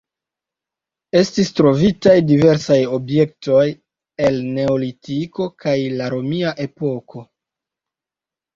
Estis trovitaj diversaj objektoj el neolitiko kaj la romia epoko.